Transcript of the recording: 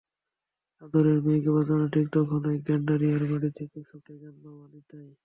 আদরের মেয়েকে বাঁচাতে ঠিক তখনই গেন্ডারিয়ার বাড়ি থেকে ছুটে যান বাবা নিতাই।